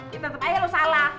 ya tetep aja lo salah